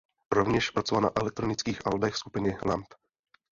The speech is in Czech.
Rovněž pracoval na elektronických albech skupiny Lamb.